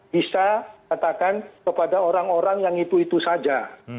bisa katakan kepada orang orang yang itu itu saja